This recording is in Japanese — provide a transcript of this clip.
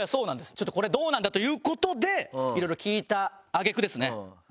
ちょっとこれどうなんだ？という事で色々聞いたあげくですね。